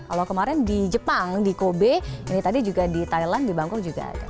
kalau kemarin di jepang di kobe ini tadi juga di thailand di bangkok juga ada